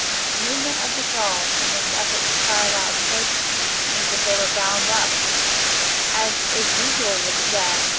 The movement of the jaws, in this effort to cry aloud, showed me that they were bound up, as is usual with the dead.